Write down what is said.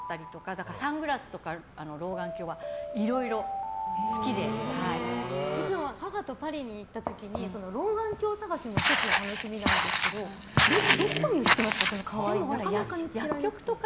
だからサングラスとか老眼鏡はいつも母とパリに行った時に老眼鏡探しも１つの楽しみなんですけどどこに売ってますか？